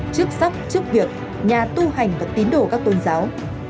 chức sách chức việc nhà tu hành và tín đồ các tôn giáo